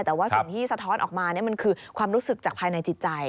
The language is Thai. แต่ว่าสิ่งที่สะท้อนออกมามันคือความรู้สึกจากภายในจิตใจ